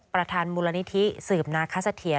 ประธานมูลนิธิสืบนาคสะเทียน